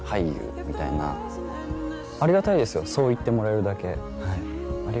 ありがたいですよそう言ってもらえるだけ。